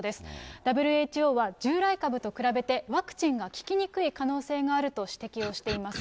ＷＨＯは、従来株と比べて、ワクチンが効きにくい可能性があると指摘をしています。